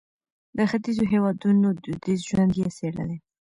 د ختیځو هېوادونو دودیز ژوند یې څېړلی.